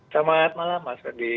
selamat malam mas kedi